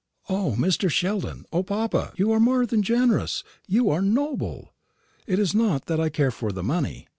"O, Mr. Sheldon, O, papa, you are more than generous you are noble! It is not that I care for the money.